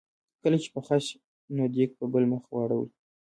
کله چې پخه شي نو دیګ په بل مخ واړوي.